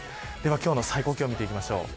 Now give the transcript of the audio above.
今日の最高気温見ていきましょう。